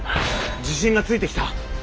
自信がついてきた！